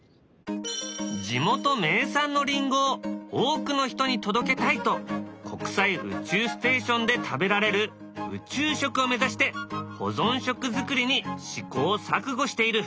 地元名産のりんごを多くの人に届けたいと国際宇宙ステーションで食べられる宇宙食を目指して保存食作りに試行錯誤している。